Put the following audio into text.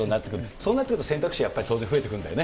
そうなってくると、選択肢はやっぱり当然増えてくるんだよね。